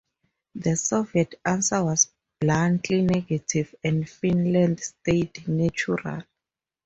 The Soviet answer was bluntly negative and Finland stayed neutral.